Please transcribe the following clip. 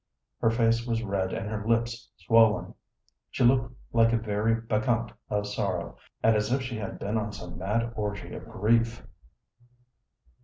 Her face was red and her lips swollen; she looked like a very bacchante of sorrow, and as if she had been on some mad orgy of grief.